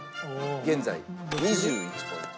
現在２１ポイント。